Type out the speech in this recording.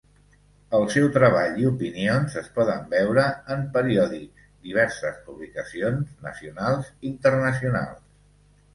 El seu treball i opinions es poden veure en periòdics diverses publicacions nacionals internacionals.